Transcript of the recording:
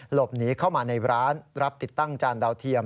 หลบหนีเข้ามาในร้านรับติดตั้งจานดาวเทียม